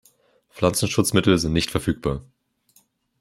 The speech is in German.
Pflanzenschutzmittel sind nicht verfügbar.